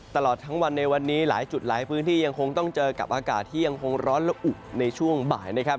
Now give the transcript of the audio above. ตลอดทั้งวันในวันนี้หลายจุดหลายพื้นที่ยังคงต้องเจอกับอากาศที่ยังคงร้อนละอุในช่วงบ่ายนะครับ